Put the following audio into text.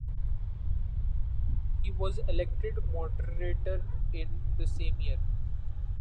He was elected Moderator in the same year.